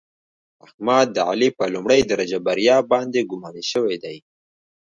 احمد د علي په لومړۍ درجه بریا باندې ګماني شوی دی.